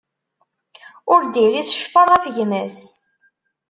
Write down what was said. Ur d-iris ccfer ɣef gma-s.